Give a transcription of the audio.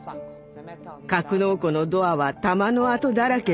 格納庫のドアは弾の痕だらけでした。